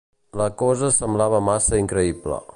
La cosa semblava massa increïble.